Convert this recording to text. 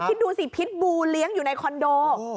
คิดดูสิเผ็ดบูที่เรียกอยู่ในคอนโด